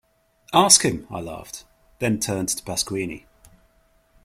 Ask him, I laughed, then turned to Pasquini.